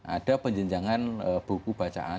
ada penjenjangan buku bacaan